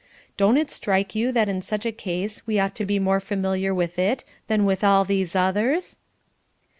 Don't it strike you that in such a case we ought to be more familiar with it than with all these others?"